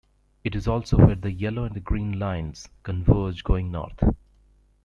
It is also where the Yellow and Green lines converge going north.